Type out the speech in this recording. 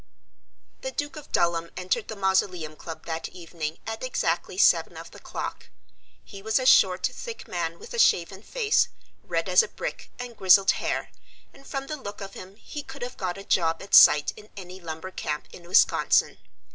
The Duke of Dulham entered the Mausoleum Club that evening at exactly seven of the clock. He was a short, thick man with a shaven face, red as a brick, and grizzled hair, and from the look of him he could have got a job at sight in any lumber camp in Wisconsin.